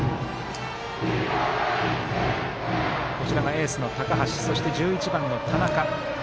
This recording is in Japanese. エースの高橋そして、１１番の田中。